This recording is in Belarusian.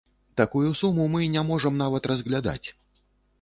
Такую суму мы не можам нават разглядаць.